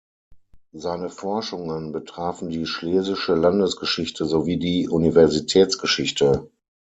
Seine Forschungen betrafen die schlesische Landesgeschichte sowie die Universitätsgeschichte.